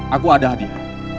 aku ada hadiah